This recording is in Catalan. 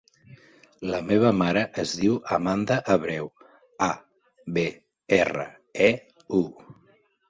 La meva mare es diu Amanda Abreu: a, be, erra, e, u.